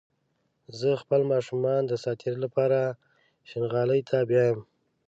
زه خپل ماشومان د ساعتيرى لپاره شينغالي ته بيايم